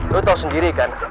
lo tau sendiri kan